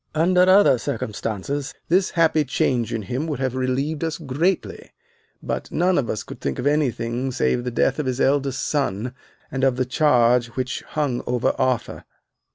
Under other circumstances, this happy change in him would have relieved us greatly, but none of us could think of anything save the death of his elder son and of the charge which hung over Arthur.